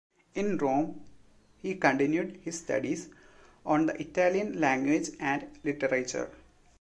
In Rome, he continued his studies on the Italian Language and Literature.